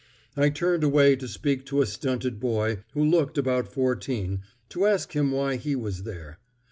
I turned away to speak to a stunted boy, who looked about fourteen, to ask him why he was there.